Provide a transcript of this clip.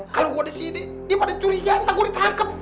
kalo gua disini dia pada curi ya entah gua ditangkep